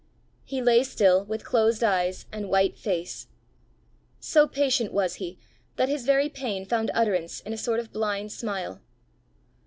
He lay still, with closed eyes and white face. So patient was he that his very pain found utterance in a sort of blind smile.